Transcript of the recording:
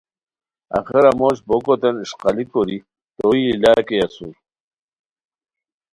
آخرا موش بوکیتین اِݰقالی کوری تو یی لاکیئے اسور